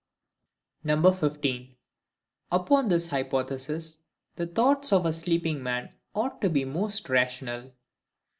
15. Upon this Hypothesis, the Thoughts of a sleeping Man ought to be most rational.